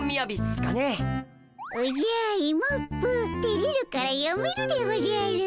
おじゃイモップてれるからやめるでおじゃる。